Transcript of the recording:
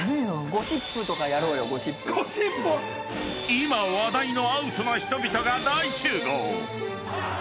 今話題のアウトな人々が大集合。